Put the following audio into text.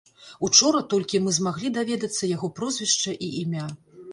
Учора толькі мы змаглі даведацца яго прозвішча і імя.